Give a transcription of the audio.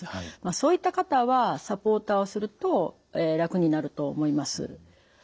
そういった方はサポーターをすると楽になると思います。